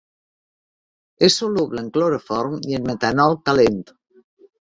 És soluble en cloroform i en metanol calent.